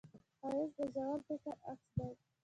ښایست د ژور فکر عکس دی